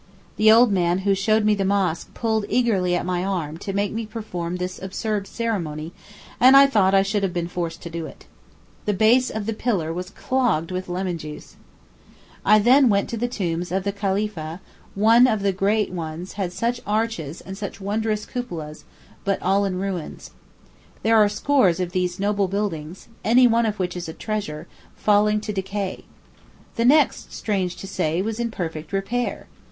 The old man who showed the mosque pulled eagerly at my arm to make me perform this absurd ceremony, and I thought I should have been forced to do it. The base of the pillar was clogged with lemon juice. I then went to the tombs of the Khalìfah; one of the great ones had such arches and such wondrous cupolas but all in ruins. There are scores of these noble buildings, any one of which is a treasure, falling to decay. The next, strange to say, was in perfect repair.